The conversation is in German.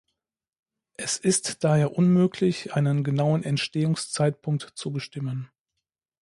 Es ist daher unmöglich, einen genauen Entstehungszeitpunkt zu bestimmen.